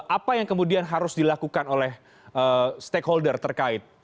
apa yang kemudian harus dilakukan oleh stakeholder terkait